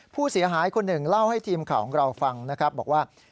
ผู้เสียหายคนหนึ่งเล่าให้ทีมข่าวของเราฟังนะครับบอกว่า